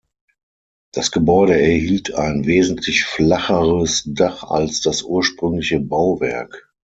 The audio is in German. Das Gebäude erhielt ein wesentlich flacheres Dach als das ursprüngliche Bauwerk.